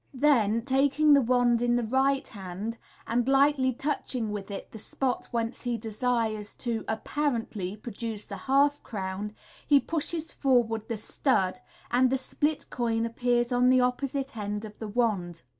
Then, taking the wand in the right hand, and lightly touching with it the spot whence he desires to (apparently) produce a half crown, he pushes forward the stud, and the split coin appears on the opposite end of the wand.